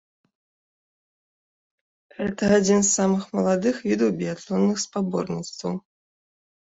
Гэта адзін з самых маладых відаў біятлонных спаборніцтваў.